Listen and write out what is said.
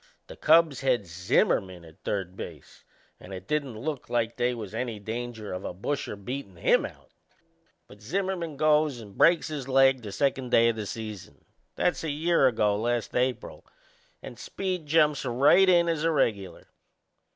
The Cubs had Zimmerman at third base and it didn't look like they was any danger of a busher beatin' him out; but Zimmerman goes and breaks his leg the second day o' the season that's a year ago last April and Speed jumps right in as a regular.